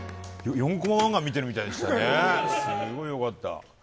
４コマ漫画見てるみたいでしたね、すごいよかった。